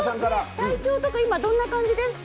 体調とかどんな感じですか？